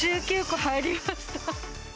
１９個入りました。